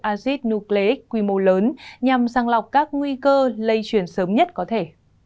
acid nucleic quy mô lớn nhằm sang lọc các nguy cơ lây chuyển sớm nhất có thể